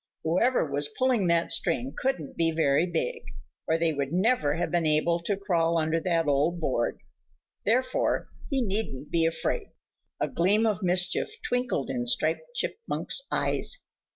Whoever was pulling that string couldn't be very big, or they would never have been able to crawl under that old board, therefore he needn't be afraid. A gleam of mischief twinkled in Striped Chipmunk's eyes.